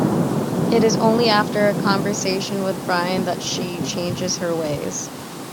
It is only after a conversation with Brian that she changes her ways.